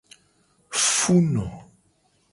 Funo.